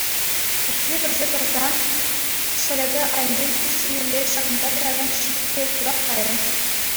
Пӳртне кӗрсе тӑрсан ҫӗлӗкӗ айӗнчен куҫ ҫинелле ҫакӑнса тӑракан ҫиппе курах кайрӗ.